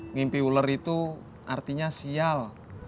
ngimpi uler itu artinya sial